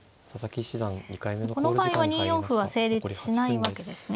この場合は２四歩は成立しないわけですね。